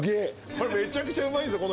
これめちゃくちゃうまいんですよ